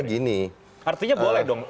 gini artinya boleh dong